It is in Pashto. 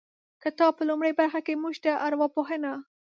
کتاب په لومړۍ برخه کې موږ ته ارواپوهنه